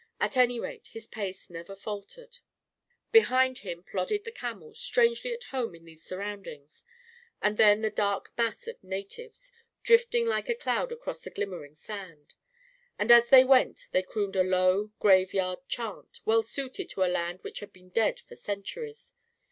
At any rate, his pace never falt ered. Behind him plodded the camels, strangely at A KING IN BABYLON in borne in these surroundings ; and then the dark mass of natives, drifting like a cloud across the glimmer ing sand; and as they went, they crooned a low, grave yard chant, well suited to a land which had been dead for centuries!